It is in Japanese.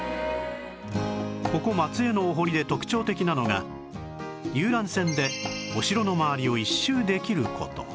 ここ松江のお堀で特徴的なのが遊覧船でお城の周りを一周できる事